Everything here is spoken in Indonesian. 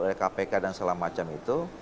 oleh kpk dan segala macam itu